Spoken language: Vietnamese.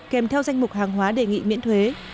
kèm theo danh mục hàng hóa đề nghị miễn thuế